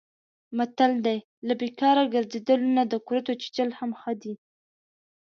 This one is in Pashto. متل دی: له بیکاره ګرځېدلو نه د کورتو چیچل هم ښه دي.